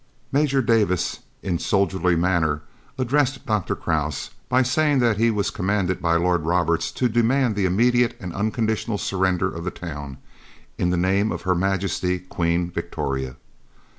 Major Davis in soldierly manner addressed Dr. Krause by saying that he was commanded by Lord Roberts to demand the immediate and unconditional surrender of the town, in the name of Her Majesty Queen Victoria.